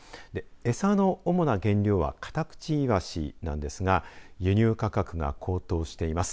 餌の主な原料はカタクチイワシなんですが輸入価格が高騰しています。